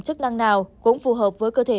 chức năng nào cũng phù hợp với cơ thể